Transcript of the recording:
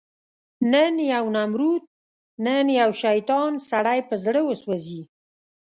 نن یو نمرود، نن یو شیطان، سړی په زړه وسوځي